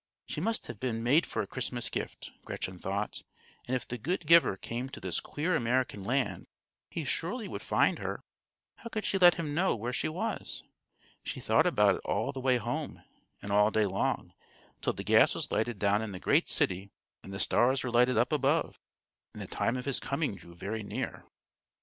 She must have been made for a Christmas gift, Gretchen thought; and if the good giver came to this queer American land, he surely would find her. How could she let him know where she was? She thought about it all the way home, and all day long, till the gas was lighted down in the great city and the stars were lighted up above, and the time of his coming drew very near.